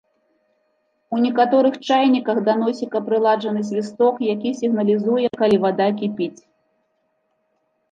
У некаторых чайніках да носіка прыладжаны свісток, які сігналізуе, калі вада кіпіць.